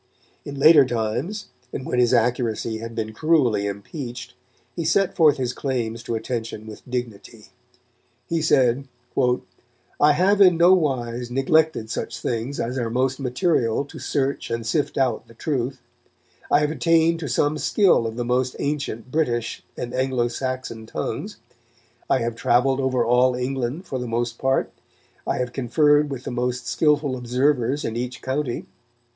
In later times, and when his accuracy had been cruelly impeached, he set forth his claims to attention with dignity. He said: "I have in no wise neglected such things as are most material to search and sift out the truth. I have attained to some skill of the most ancient British and Anglo Saxon tongues; I have travelled over all England for the most part, I have conferred with most skilful observers in each county....